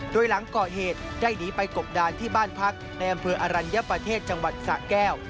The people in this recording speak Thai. โดยหลังก่อเหตุได้หนีไปกบดานบ้านพรรคในอำเภออารัญญาประเทศหรือสะแก้ว